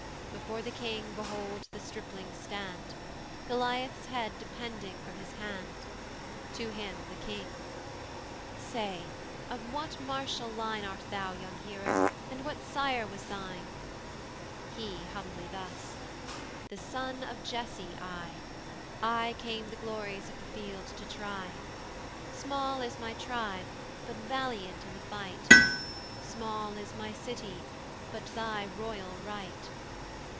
Before the king behold the stripling stand, Goliath's head depending from his hand: To him the king: "Say of what martial line "Art thou, young hero, and what sire was thine?" He humbly thus; "The son of Jesse I: "I came the glories of the field to try. "Small is my tribe, but valiant in the fight; "Small is my city, but thy royal right."